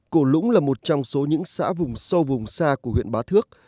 cổ lũng là một trong số những xã vùng sâu vùng xa của huyện bá thước